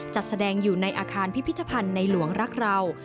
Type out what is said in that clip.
จัดแสดงอยู่ในอาคารพิพิธภัณฑ์ในหลวงรักเรา